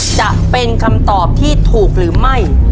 จะเป็นคำตอบที่ถูกหรือไม่